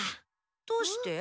どうして？